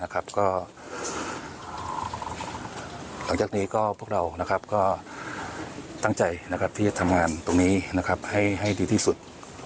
ก็หลังจากนี้พวกเราก็ตั้งใจที่จะทำงานตรงนี้ให้ดีที่สุด